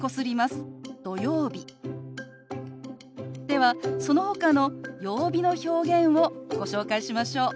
ではそのほかの曜日の表現をご紹介しましょう。